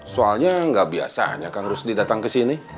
soalnya nggak biasanya kang rusdi datang ke sini